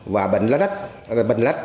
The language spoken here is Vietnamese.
và bệnh lá đất